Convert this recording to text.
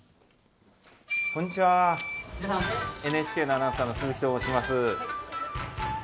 ＮＨＫのアナウンサーの鈴木と申します。